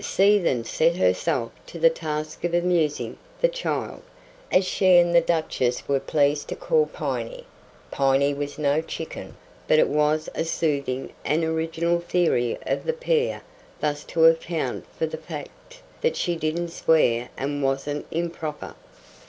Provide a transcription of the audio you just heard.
She then set herself to the task of amusing "the child," as she and the Duchess were pleased to call Piney. Piney was no chicken, but it was a soothing and original theory of the pair thus to account for the fact that she didn't swear and wasn't improper.